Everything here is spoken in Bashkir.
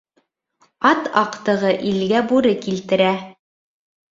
Ат аҡтығы илгә бүре килтерә.